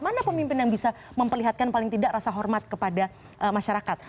mana pemimpin yang bisa memperlihatkan paling tidak rasa hormat kepada masyarakat